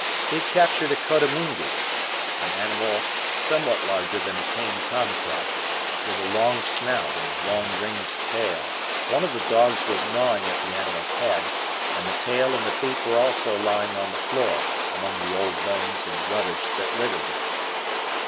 He had captured a coatimundi, an animal somewhat larger than a tame tom cat, with a long snout and long ringed tail; one of the dogs was gnawing at the animal's head, and the tail and the feet were also lying on the floor, among the old bones and rubbish that littered it.